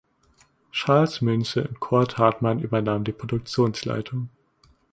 Charles Münzel und Kurt Hartmann übernahmen die Produktionsleitung.